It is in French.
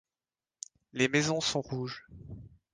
Les maisons sont rouges.